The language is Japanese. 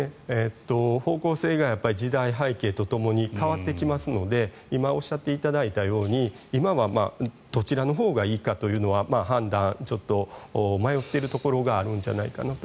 方向性が時代背景とともに変わってきますので今おっしゃっていただいたように今はどちらのほうがいいのかという判断は迷っているところがあるんじゃないかと。